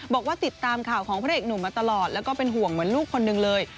บอกว่าติดตามข่าวของพระเอกหนุ่มมาตลอดแล้วก็เป็นห่วงเหมือนลูกคนหนึ่งเลย